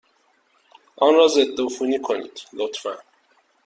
آن را ضدعفونی کنید، لطفا.